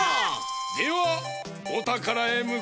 ではおたからへむかうがよい！